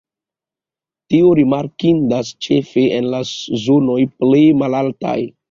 Tio rimarkindas ĉefe en la zonoj plej malaltaj.